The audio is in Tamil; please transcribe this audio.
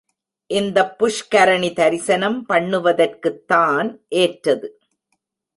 இந்தப் புஷ்கரணி தரிசனம் பண்ணுவதற்குத்தான் ஏற்றது.